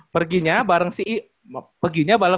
perginya bareng si i